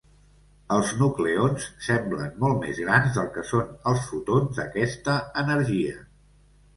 Els nucleons semblen molt més grans del que són els fotons d'aquesta energia.